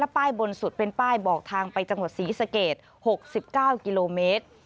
ป้ายบนสุดเป็นป้ายบอกทางไปจังหวัดศรีสเกต๖๙กิโลเมตร